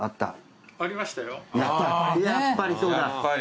やっぱりそうだ！